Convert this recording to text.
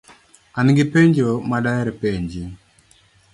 An gi penjo ma daher penji.